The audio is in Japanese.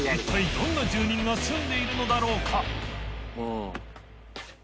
どんな住人が住んでいるのだろうか？